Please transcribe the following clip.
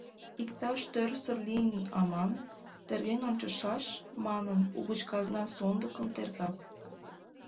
«Иктаж тӧрсыр лийын аман, терген ончышаш», — манын, угыч казна сондыкым тергат.